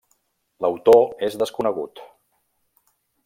L'autor és desconegut.